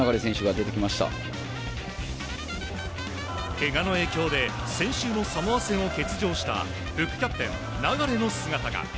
けがの影響で先週のサモア戦を欠場した副キャプテン、流の姿が。